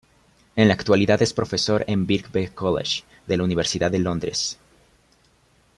En la actualidad es profesor en el Birkbeck College, de la Universidad de Londres.